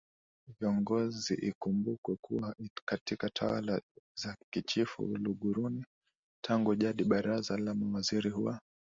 ViongoziIkumbukwe kuwa katika tawala za Kichifu Uluguruni tangu jadi Baraza la Mawaziri huwa